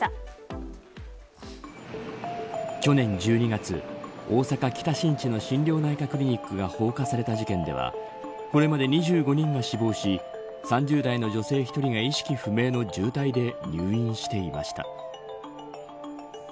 去年１２月大阪、北新地の心療内科クリニックが放火された事件ではこれまでに２５人が死亡し３０代の女性１人が意識不明の重体で入院していました。